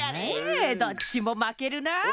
ええどっちもまけるな。